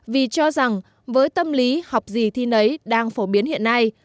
vì cho rằng với tâm lý học gì thi nấy đang phổ biến hiện nay